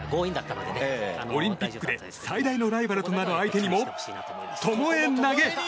オリンピックで最大のライバルとなる相手にもともえ投げ！